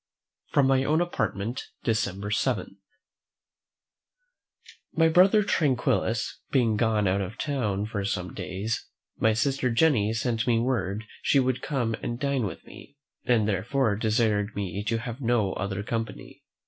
From my own Apartment, December 7. My brother Tranquillus being gone out of town for some days, my sister Jenny sent me word she would come and dine with me, and therefore desired me to have no other company.